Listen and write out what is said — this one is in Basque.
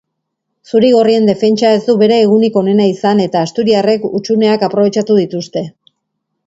Zuri-gorrien defentsa ez du bere egunik onena izan eta asturiarrek hutsuneak aprobetxatu dituzte.